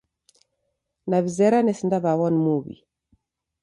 New'izera nesindaw'aw'a ni muw'i.